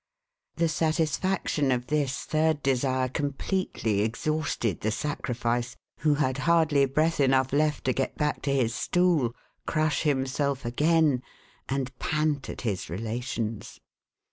The satisfaction of this thii'd desire completely exhausted the sacrifice, who had hardly breath enough left to get back to his stool, crush himself again, and pant at his relations.